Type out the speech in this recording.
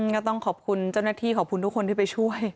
ก็ต้องขอบคุณเจ้าหน้าที่ขอบคุณทุกคนที่ไปช่วย